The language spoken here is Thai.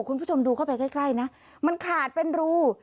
คุณผู้ชมดูเข้าไปใกล้นะมันขาดเป็นรู